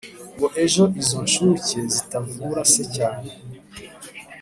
Ngo ejo izo nshuke zitavura se cyane